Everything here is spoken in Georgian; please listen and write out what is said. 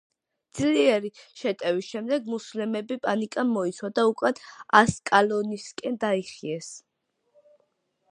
ძლიერი შეტევის შემდეგ მუსლიმები პანიკამ მოიცვა და უკან ასკალონისკენ დაიხიეს.